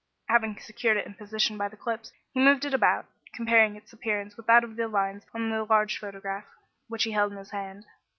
Having secured it in position by the clips, he moved it about, comparing its appearance with that of the lines on the large photograph, which he held in his hand.